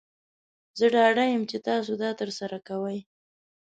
زه ډاډه یم چې تاسو دا ترسره کوئ.